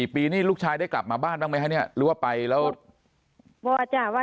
๔ปีนี่ลูกชายได้กลับมาบ้านบ้างไหมฮะเนี่ยหรือว่าไปแล้ว